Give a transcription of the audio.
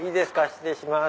失礼します。